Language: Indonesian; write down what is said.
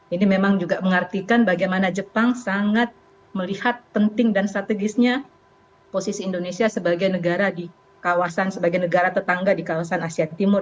ini memang juga mengartikan bagaimana jepang sangat melihat penting dan strategisnya posisi indonesia sebagai negara di kawasan sebagai negara tetangga di kawasan asia timur